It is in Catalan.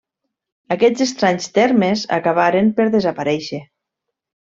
Aquests estranys termes acabaren per desaparèixer.